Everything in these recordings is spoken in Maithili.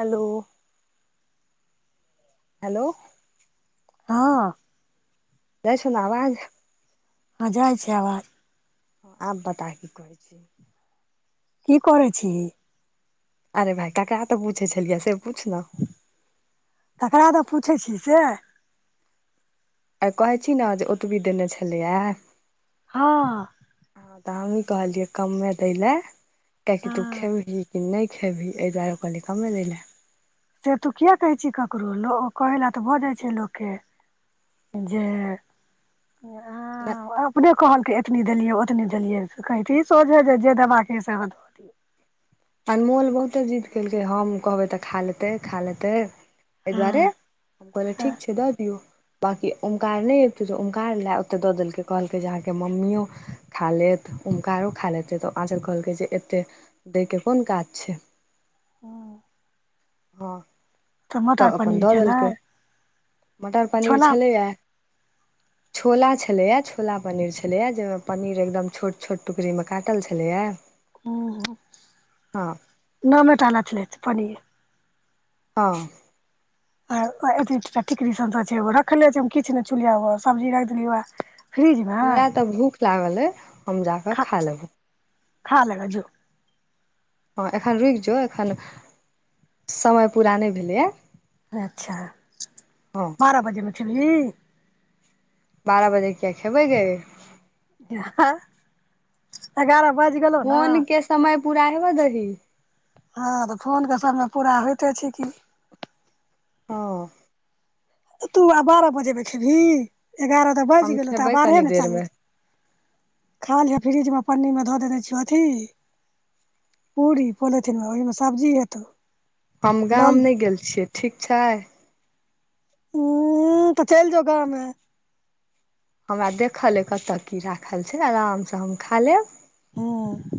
हैलो। हैलो। हाँ। जाय छोना आवाज। हाँ जाइ छै आबाज। हं आब बता की कहैछीही की करै छीही। अरे भाय का-का तऽ पुछै छलियै से पूछ न। ककरा द पूछै छि से आय कहै छी न जे ओतबी देने छलय यै हँ तऽ हमही कहलियै कम्मे दै लए किएकि तू हँ खेबही कि नय खेबही एहि दुआरे कहलियै कम्मे दै लय से तू किया कहै छि ककरो, लो कहय लए तऽ भऽ जाइत छै लोकके। जे लए हं ओ अपने कहलके एतनी देलियै ओतनी देलियै, कहितहि सोझै जे - जे देबाक अयसे सेहो द। अनमोल बहुते जीद केलकै हम कहबै तऽ खा लेतै खा लेतै एहि दुआरे हँ हम कहलियै हँ ठीक छै दऽ दियौ। बाँकी ओंकार नै अयतै तऽ ओंकार लए ओते दऽ देलकै कहलकै जे अहाँके मम्मिओ खा लेत ओंकारो खा लेतै तऽ आँचल कहलकै जे एतेक दैके कोन काज छै। हँ। तऽ मटर अपन पनीर दऽ छलै देलकै, मटर पनीर छोला छलैए। छोला छलया, छोला पनीर छलय यै, जयमे पनीर एकदम छोट- छोट टुकड़ी में काटल छलय यैऽ। हं - हं नामे टालै छलै पनीर। हँ। आर- आ एतबी टा -टा का टिकरी सब जे छै, ओ रखले छै हम किछु नय छुलियौ सब्जी राइख देलयै वैह। फ्रिजमे हमरा तऽ भूख लागल अइ हम जाकऽ खा लेबो। खा ले गे जो। हँ एखन रुकि जो, एखन समय पूरा नै भेलैए। अच्छा! हँ बारह बजेमे खेबही? बारह बजे किए खेबै गे। एगारह बाइज गेलौ ने? फोन के समय पूरा हेबऽ देबही। हँ तऽ फोन के समय पूरा होइते छै की। हँ। तू आब बारह बजे में खेबही, एगारह तऽ बाइज हम गेलौ तऽ खेबै बारहे कनी ने चालू देरमे हेतै। खा लिहें फ्रिज में पन्नी में धऽ देने छियौ अथी पूरी पोलिथिनमें, ओहिमे सब्जी हेतौ। हम लऽ गाम ले नय गेल छियै, ठीक छै। उम्म तऽ चैल जो गामें। हमरा देखल अइ कतय की राखल छै, आरामसँ हम खा लेब। हूँ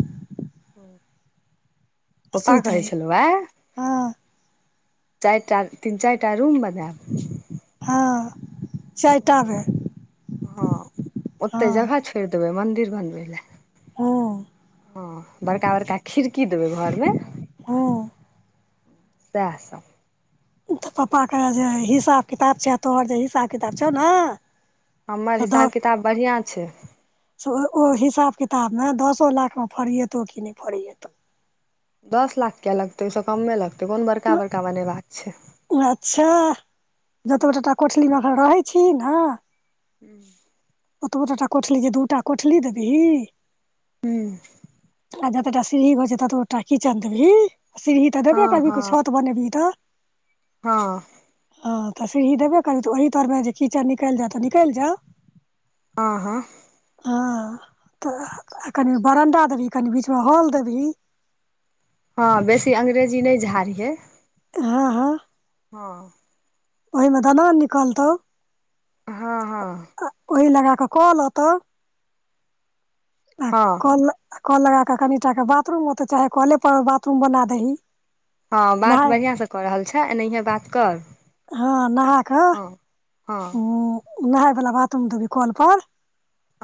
[inaudible] पप्पा सुति कहै रही छलहु आय हँ चारिटा तीन चारिटा रूम बनैब। हँ चारिटाबै हँ। फेर देबै मन्दिर बनबै लै। हूँ हँ बड़का- बड़का खिड़की देबै घर में। हूँ सैह सब। तऽ पप्पा के जे हिसाब किताब छै, आ तोहर जे हिसाब किताब छौ ने हमर से हिसाब दऽ किताब बढ़िआँ छै। ओ हिसाब किताब में दसो लाख में फरिएतौ कि नहि फरीएतौ। दस लाख कियै लगतै, ओइसँ कम्मे लगतै कोन बड़का- बड़का बनेबाक छै। अच्छा जतबे ट -टा कोठली में एखन रहै छिही न [inaudible] ओतबो टटा कोठली जे दूटा कोठली देबही हूं। आ जते टा सीढ़ही होइ छै, ततबो टा किचन देबही सीढ़ही तऽ देबै हँ करभी, छत बनेबही तऽ। हां। हां तऽ सिरही देबे करभी तऽ ओही तर में जे कीचन निकल जाउ तऽ निकइल जाउ। हां-हां। हां तऽ कनि बरंडा देबही, कनि बीच में हॉल देबही। हां बेसी अंग्रेजी नै झाड़िहें। हां-हां। हां। ओय में दनान निकलतौ। हां-हां। ओहि लगा कऽ क लतौ आ हँ कल आ कल लगा कऽ कनिटाके बाथरूम ओता चाहे कले पर बाथरूम बना दही। हां बात नहाय बढ़ियां से कऽ रहल छैं, एनेहिये बात कर। हां नहा कऽ हां। उ नहाय वला बाथरूम देबही कल पर।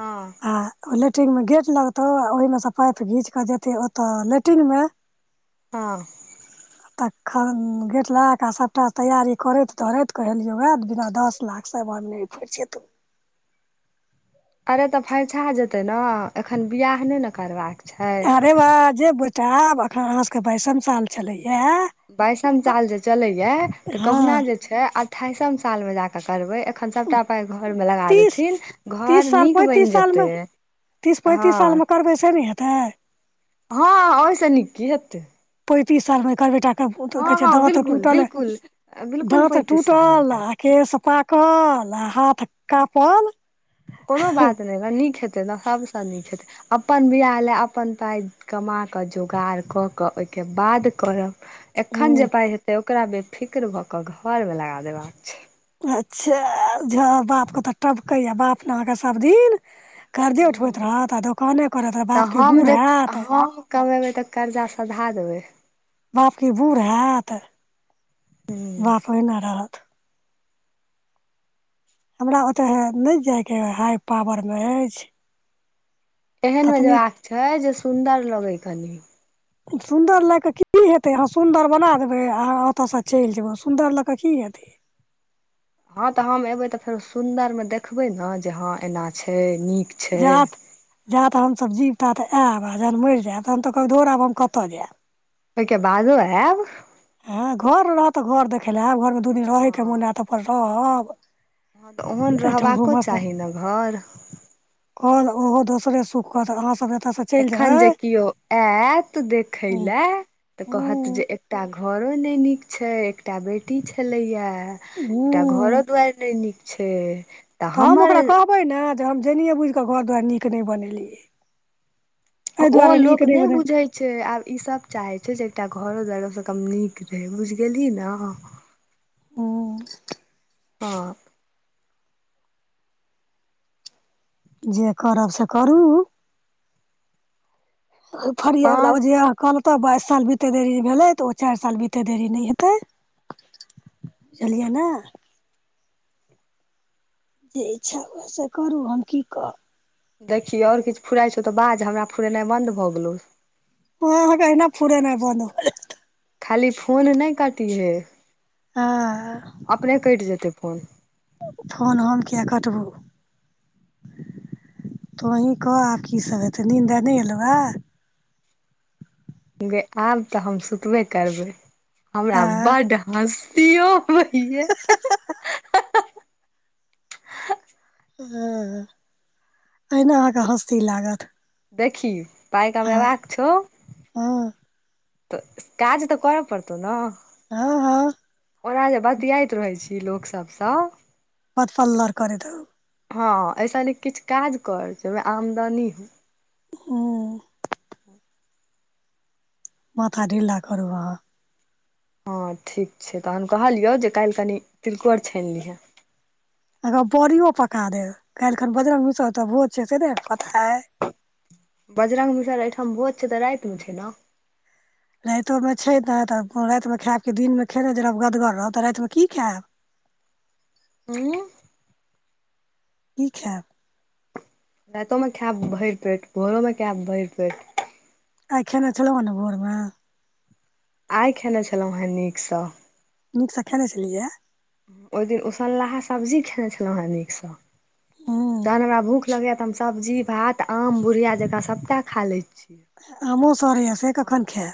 हां। आ ओ लेट्रिन में गेट लगतौ, ओहि में से पाइप घींच कऽ जेतै ओतऽ लेट्रिन में। हां। तखन गेट लगा कऽ सबटा तैयारी करैत-धरैत कहलियौ यै बिना दस लाख समान नै फैरछेतौ। अरे तऽ फैरछा जेतै न एखन बियाह नै न करबाक छै अरे बा जे बेटा आब अखन अहाँ सबके बाइसम साल चलैया। बाइसम साल जे चलैयै तऽ कहुना हँ जे छै अठाईसम साल में जा क त करबै एखन सबटा पाई घर में लगा तीस देथिन घर नीक बइन जेतै। तीस-पैंतीस साल हँ में करबै से नै हेतै? हां ओय से नीक की हेतै? पैंतीस साल में एकर बेटा के पूत कहे हँ छै हँ दाँतो बिलकुल टूटल‌ ए बिलकुल बिलकुल दाँत पैंतीस सालमे टूटल करबै ए। केस पाकल आ हाथ कापल कोनो बात नै नीक हेतै न सबसे नीक हेतै। अपन बियाह लए अपन पाई कमा कऽ, जोगाड़ कऽ-कऽ ओय के बाद करब। एखन जे पाई हेतै ओकरा बेफिक्र भऽ कऽ घर में लगा देबाक छै। अच्छा झ अहा बापके तऽ टबकैए बाप न अहाँके सब दिन कर्जे उठबैत हूँ रहत आ दोकाने करैत रहत, बाप तऽ की हम बूढ़ जे हैत हम कमेबै तऽ कर्जा सधा देबै। बाप की बूढ़ हैत, हूँ बाप ओहिना रहत। हमरा ओतय नै जाइके हई पावर में अइछ। एहेन में जबाक छै जे सुंन्दर लगै कनी। सुन्दर लए कऽ की हेतै, अहाँ सुन्दर बना देबै आ ओतऽ से चइल जेबै, सुन्दर लऽ कऽ की हेतै? हां तऽ हम एबै तऽ फेरो सुन्दर में देखबै न जे हां एना छै नीक। छै जात जात हम सब जीब तात एब जहन मइर जैब तहन तऽ कहब धौड़ आब हम कतऽ जैब। ओय के बादो ऐब। हां घर रहत तऽ घर देखय लए ऐब, घर में दू दिन रहयके मोन हैत तऽ अपन रहब। हां तऽ ओहन एहिठाम रहबाको घूमब चाही न घर। और ओहो दोसरे सुख करत अहाँ सब एतऽ से एखन जे कियो ऐत देखय हूँ लए तऽ कहत जे एकटा घरो नै नीक छय, एकटा बेटी छलैये एकटा घरो हूँ दुवैर नै नीक छै। तऽ त हम हमर ओकरा कहबै ने जे हम जेनिए बुइझ कऽ घर दुवाइर नीक नै बनेलियै। अइ ओ दुवारे लोक नीक नै नहि बने बुझै छै, आब ई सब चाहै छै जे एकटा घरो दुआइरो स कम नीक रहै बुइझ गेलही न। हूँ। हं। जे करब से करू। दोफड़िया बला पाँच मे जे हां कहलौ त बाइस साल बीते देरी नै भेलै तऽ ओ चारि साल बीते देरी नै हेतै बुझलियै ने। जे इच्छा हुए से करू हम की कहब। देखही आओर किछ फुराइ छौ तऽ बाज हमरा फुरेनाइ बन्द भऽ गेलौ। हँ अहाँके अहिना फुरेनाइ बन्द भऽ खाली फोन नै कटिहै हँ अपने कटि जेतै फोन। फोन हम किया कटबौ। तोंही कह आब की सब हेतै नीन्द आय नै एलौए? गै आब तऽ हम सुतबे करबै हमरा आँ बड्ड हँसीयो लागैये। ओएं अहिना अहाँके हँस्सी लागथ। देखही पाइ कमेबाक छौ हँ। त काज त करऽ पड़तौ न। हँ हँ। ओना जे बतियाइत रहै छीही लोकसब सँ पत फल्लर करैत रहू। हँ अय स नीक किछ काज कर जे ओमे आमदनी होय। हूँ। माथा ढ़ील्ला करू अहाँ। हँ ठीक छै तहन कहलियौ जे काल्हि कनि तिलकोर छानि लिहें। बड़ियो पका देब काल्हि खन बजरंग मीसर ओतऽ भोज छियै से नै अहाँके पता अय। बजरंग मीसर एहिठाम भोज छै तऽ रातिमे छै न। राइतो मे छै ने त रातिमे खायब कि दिनमे खेने जे रहब गदगर रहब तऽ रातिमे की खायब। हूं। की खेएब। राइतो में खेएब भैर पेट भोरो में खेएब भैर पेट। आइ खेने छलौं हें न भोर मे? आइ खेने छलौं हे नीक सँ। नीक सँ खेने छलियैए। ओइ दिन उसनलहा सब्जी खेने छलहुं हे नीक सँ हूँ तहन हमरा भूख लगैये त त हम सब्जी, भात, आम बुुढ़िया जकाँ सभटा खा लै छी। आमो सड़ैये से कखन हँ खेएब?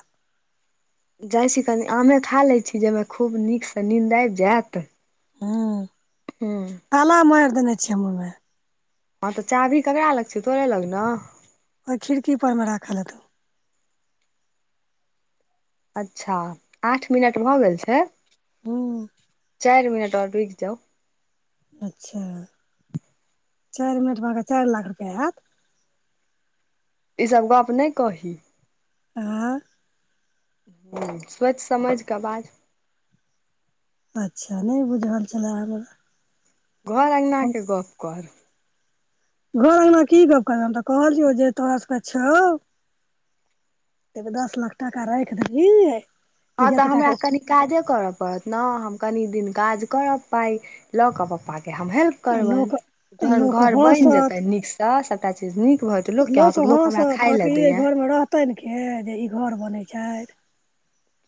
जाइ छी कनी आमे खा लै छी जइमे खूब नीसँ नींन्द आबि जेएत। हूँ हुं। ताला माएर देने छियै हम ओयमे। हां तऽ चाभी ककरा लग छै? तोरे लग नै? ओय खिड़की ऊपरमे राखल हेतौ। अच्छा आठ मिनट भऽ गेल छै। हूँ। चाएर मिनट और रूक जाउ। अच्छा चाएर मिनटमे अहाँके चाएर लाख रुपया ऐत। ई सब गप नै कही। आँ हूँ सोच समझकेऽ बाज। अच्छा नै बुझल छलै हमरा। घर अँगनाके गप कर। घर अंगना की गप्प करबे हम तऽ कहलियौ जे तोरा सबके छौ। एक दस लाख टाका राएख दही। हां तऽ हमरा कनि काजे करऽ पड़त न हम कनी दिन काज करब, पाइ ल क पप्पा के हम हेल्प आ करबैन लोक जहन लोक घर ब‌इन जेतै हँसत नीक से सबटा चीज नीक भ जेतय लोक किये कहा से ऐत कहत कि इ घरमे रहतैन के जे ई घर बनै छै।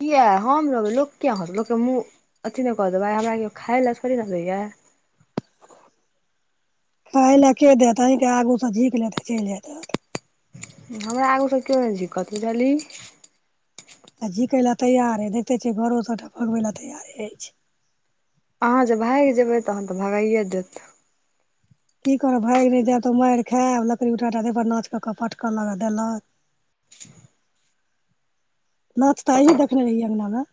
किया हम रहबै लोक किया हंसते लोकके मुँह अथी न कऽ देबै, हमरा कियो खाय लए थोड़ी न दै यै। खाय लै के देत? अहिके आगू से झिक लेत अ चैल जायत रहत। हमरा आगू से कियो नै झीकत बुझलहि? आ झीकै ला तैयार ऐ देखते छियै घरो सबटा भगबै ला तैयारे ऐछ। अहाँ जे भाइग जेबै तहन तै भगाइए देत। की करब भाइग नै जैब त माइर खैब, लकड़ी उठा उठा देह पर नाच क क पटका लागत दला टिनठियुन नाच तऽ एहि देखने रहि अंगना मे।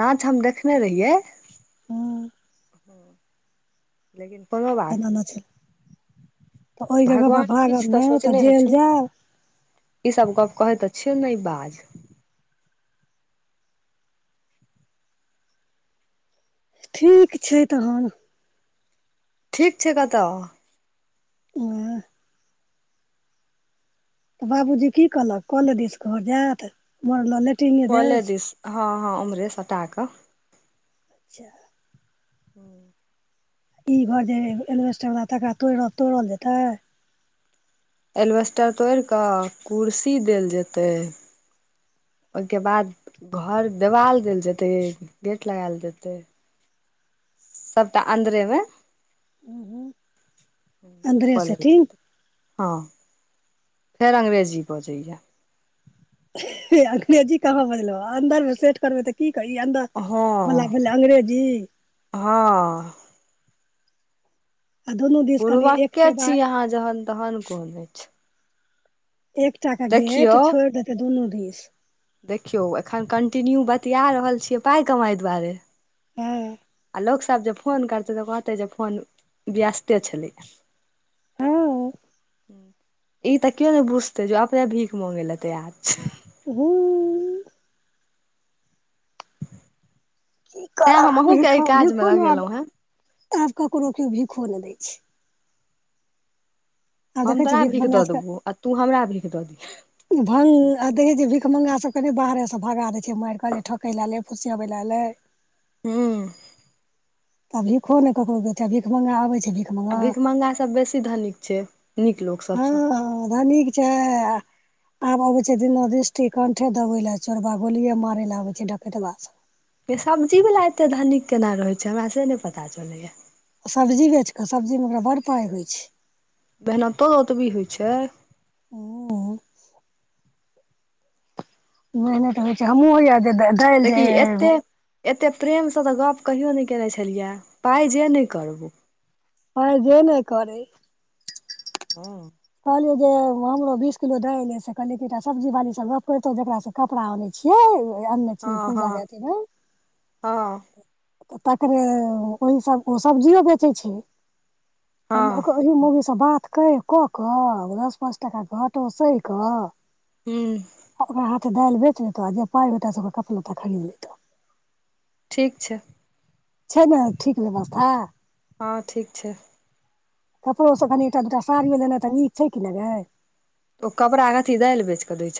नाच हम देखने रहियै। हँ हां लेकिन कोनो बात केना नै नाचल छै। तऽ ओहि जगह भगवान पर किछ भागब तऽ नहि सोचने जेल हेथिन। जायब ई सब गप कहै त छियौ नै बाज। ठीक छै तहन। ठीक छै कता? एह तऽ बाबूजी की कहलक कले दिस भ जैत। उम्हर ल लेटींग कले दिस हां-हां उमहरे सटा के। अच्छा। हूं। ई घर जे एलवेस्टर वला तकरा तोड़ा तोड़ल जेतै। एलवेस्टर तौर कै कुर्सी देल जेतै। ओइके बाद घर देबाल देल जेतै, गेट लगैल जेतै। सबटा अन्दरेमे हूं अन्दरे क लेल सेटिंग जेतै। हां फेर अंग्रेजी बजैया। अंग्रेजी कहाँ बजलौ, अन्दर मे सेट करबै त की कहि अन्दर वला भेलै अंग्रेजी हां-हां। आ दुनू दिस कनि बुड़बक्के एकके छी बाद अहाँ जहन तहन कोन ऐछ। एकटा के गेट देखियौ छोड़ देतै दुनू दिस। देखियौ एखन कन्टिन्यू बतिया रहल छियै पाइ कमाइ दुआरे। हां। आ लोकसब जे फोन करतै तऽ कहतै जे फोन व्यस्ते छलै यै। हां। ई तऽ कियो नै बुझतै जे अपने भीख मंगै ले तैयार छै। हूँ। की तैं हम करब अहूँके एहि भीखो काजमे भीखो नै आब लगेलहुँ हेँ आब ककरो कियो भीखो नै दै छै। आब हम देखै तोरा छियै भिख भीख दऽ देबौ आ तू हमरा भीख दऽ दिहै। भ्गं आ देखै छीयै भिखमंगा सबके नै बाहरे सँ भगा दै छैय माएर कऽ जे ठकै लै ऐल ए फुसियाबै लै एल ए। हूं। तऽ भीखो नै ककरो देतै, भीख मंगा आबै छै भीख आ मंगा भीखमंगा सब बेसी धनिक छै, नीक लोक सबसे। औ धनीक। छै आ आब अबे छै दिनादृष्टि कंठे दबेला चोरबा गोलिये मारे ले आबे छै डकैतबा सब। ए सब्जी वला एते धनीक केना रहे छै हमरा से नै पता चलैया। सब्जी बेच कऽ, सब्जीमे ओकरा बड पाई होइ छै। मेहनतो ओतबी होई छै। हां। मेहनत होइ छै हम्हु होए यै जे दालि जे देखी एत्ते एते प्रेम से तऽ गप कहियो नय केने छलियै, पाई जे नै करबौ। पाई जे नै करै। हां। कहलियै जे हमरो बीस किलो दाएल यै से कहलियै कि एकटा सब्जी बाली से गप करतौ जकरा से कपड़ा आनै छियै अनै हां-हां-हां। ओ तकरे ओहि सब ओ सब्जिये बेचै छै। कहलिए हँ ओकर ओहि मौगी से बात कैर कऽ कऽ दस पाँच टाका घटो सह कऽ हूं। आ ओकरा हाथे दाइल बेच लेतो आ जे पाइ होते से ओकर कपड़ा लत्ता खरीद लेतो। ठीक छै। छै नय ठीक व्यवस्था? हां ठीक छै। कपड़ो सब कनि एकटा दूटा साड़ियो लेनाइ तऽ नीक छै कि नय गै? ओ कपड़ा कथी दाइल बेच के दय छै।